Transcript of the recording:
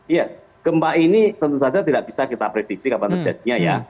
ya gempa ini tentu saja tidak bisa kita prediksi kapan terjadinya ya